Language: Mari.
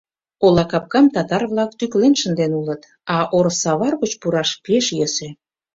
Ола капкам татар-влак тӱкылен шынден улыт, а ор-савар гоч пураш пеш йӧсӧ.